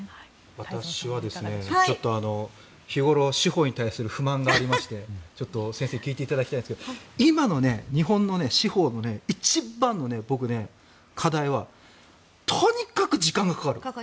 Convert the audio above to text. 私はちょっと日頃、司法に対する不満がありましてちょっと先生聞いていただきたいんですが今の日本の司法の一番の課題はとにかく時間がかかる。